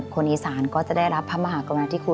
คนอีสานก็จะได้รับพระมหากรรมนักที่ครู